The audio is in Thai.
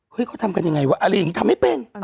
เขาทำกันยังไงวะอะไรอย่างนี้ทำไม่เป็น